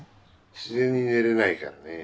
自然に寝れないからねえ。